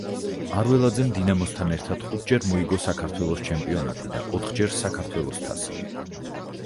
არველაძემ დინამოსთან ერთად ხუთჯერ მოიგო საქართველოს ჩემპიონატი და ოთხჯერ საქართველოს თასი.